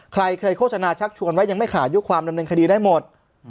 ใครเคยโฆษณาชักชวนว่ายังไม่ขายุความดำเนินคดีได้หมด